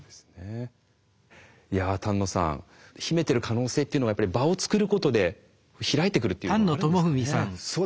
丹野さん秘めてる可能性っていうのがやっぱり場をつくることで開いてくるっていうのがあるんですかね。